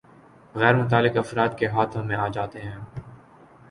غیر متعلق افراد کے ہاتھوں میں آجاتے ہیں